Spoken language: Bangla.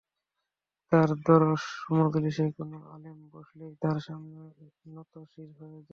তাঁর দরস-মজলিসে কোন আলেম বসলেই তাঁর সামনে নত-শির হয়ে যেত।